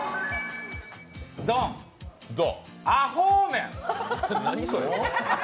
ドン、アホーメン。